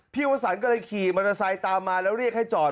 วสันก็เลยขี่มอเตอร์ไซค์ตามมาแล้วเรียกให้จอด